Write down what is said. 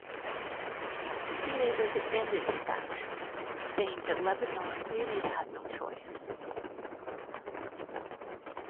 He later defended his actions, saying that Lebanon really had no choice.